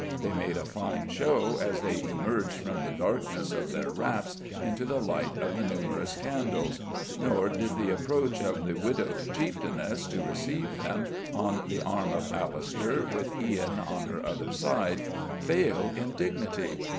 They made a fine show as they emerged from the darkness of their wraps into the light of the numerous candles; nor did the approach of the widowed chieftainess to receive them, on the arm of Alister, with Ian on her other side, fail in dignity.